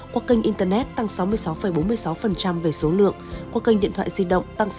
qua kênh internet tăng sáu mươi sáu bốn mươi sáu về số lượng qua kênh điện thoại di động tăng sáu mươi ba chín